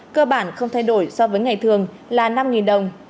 cơ bản không thay đổi so với ngày thường là năm đồng